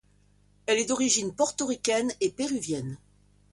Elle est d'origine portoricaine et péruvienne.